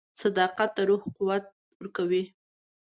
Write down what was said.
• صداقت د روح قوت ورکوي.